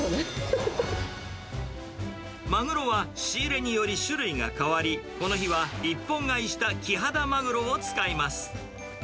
マグロは、仕入れにより種類が変わり、この日は一本買いしたキハダマグロを使います。